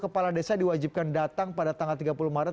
kepala desa diwajibkan datang pada tanggal tiga puluh maret